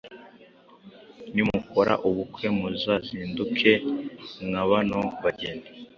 Nimukora ubukwe muzazinduke nka bano bageni.